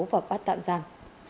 và bắt tạm giam